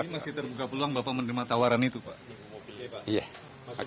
masih terbuka peluang bapak menerima tawaran itu pak